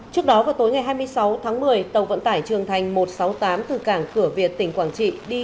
trước đó vào tối ngày hai mươi sáu tháng một mươi tàu vận tải trường thành một trăm sáu mươi tám từ cảng cửa việt tỉnh quảng trị đi